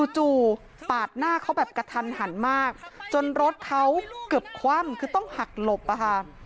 จู่ปาดหน้าเขาแบบกระทันหันมากจนรถเขาเกือบคว่ำคือต้องหักหลบอะค่ะ